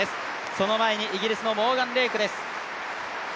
その前にイギリスのモーガン・レイクです。